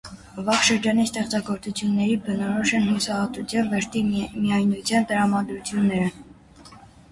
Վաղ շրջանի ստեղծագործություններին բնորոշ են հուսահատության, վշտի, միայնության տրամադրություններ։